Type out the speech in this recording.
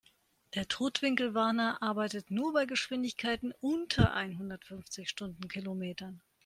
Der Totwinkelwarner arbeitet nur bei Geschwindigkeiten unter einhundertfünfzig Stundenkilometern.